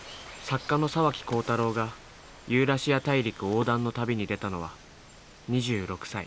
作家の沢木耕太郎がユーラシア大陸横断の旅に出たのは２６歳。